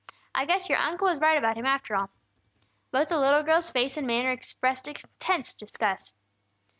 I guess your uncle was right about him, after all!" Both the little girl's face and manner expressed intense disgust.